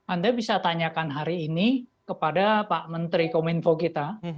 anda bisa tanyakan hari ini kepada pak menteri kominfo kita